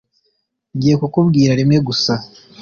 ngiye kukubwira rimwe gusa